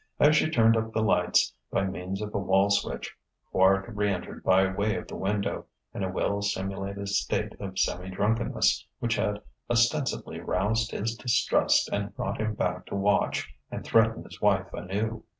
As she turned up the lights by means of a wall switch, Quard re entered by way of the window, in a well simulated state of semi drunkenness which had ostensibly roused his distrust and brought him back to watch and threaten his wife anew....